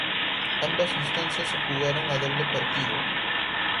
Ambas instancias se jugaron a doble partido.